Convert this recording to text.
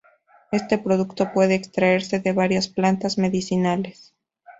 Este producto puede extraerse de varias plantas medicinales.